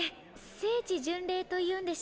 聖地巡礼というんでしょうか。